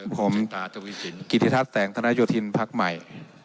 ผมกิจิทัศน์แสงธนายุทินภักดิ์ใหม่